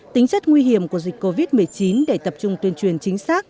tính chất nguy hiểm của dịch covid một mươi chín để tập trung tuyên truyền chính xác